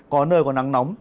có nơi có nắng nóng